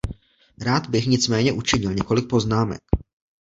Rád bych nicméně učinil několik poznámek.